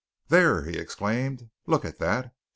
"There!" he exclaimed. "Look at that.